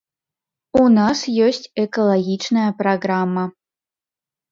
У нас ёсць экалагічная праграма.